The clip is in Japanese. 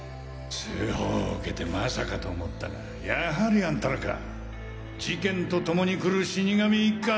通報を受けてまさかと思ったがやはりあんたらか事件と共に来る死神一家！